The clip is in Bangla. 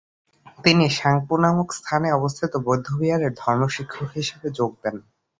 তিনি সাংপু নামক স্থানে অবস্থিত বৌদ্ধবিহারের ধর্মশিক্ষক হিসেবে যোগ দেন।